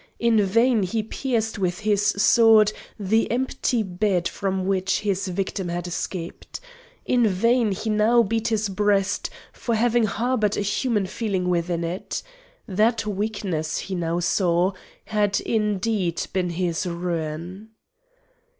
In vain he pierced with his sword the empty bed from which his victim had escaped. In vain he now beat his breast for having harboured a human feeling within it. That weakness, he now saw, had indeed been his ruin.